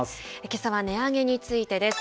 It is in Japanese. けさは値上げについてです。